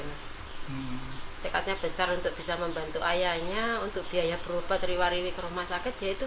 anda tikatnya besar untuk bisa membantu ayahnya untuk biaya phrobat rewiri ke rumah sakit dia itu